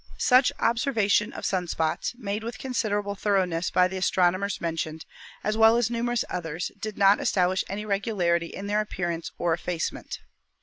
Such observation of sun spots, made with consider able thoroness by the astronomers mentioned, as well as numerous others, did not establish any regularity in their appearance or effacement.